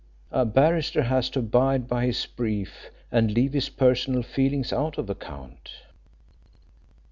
A barrister has to abide by his brief and leave his personal feelings out of account."